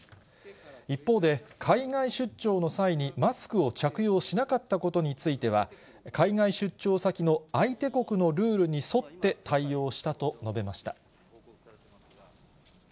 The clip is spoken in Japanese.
一方で、海外出張の際にマスクを着用しなかったことについては、海外出張先の相手国のルールに沿って対応したと述べました。